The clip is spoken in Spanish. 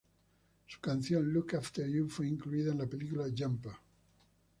Su canción "Look after you" fue incluida en la película Jumper.